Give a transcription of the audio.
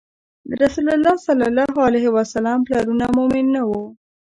د رسول الله ﷺ پلرونه مؤمن نه وو